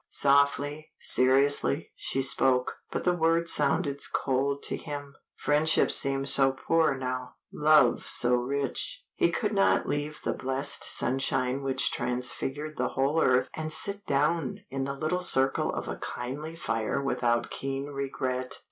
Softly, seriously, she spoke, but the words sounded cold to him; friendship seemed so poor now, love so rich, he could not leave the blessed sunshine which transfigured the whole earth and sit down in the little circle of a kindly fire without keen regret.